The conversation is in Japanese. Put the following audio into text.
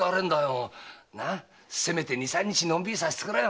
せめて二三日のんびりさせてくれよ。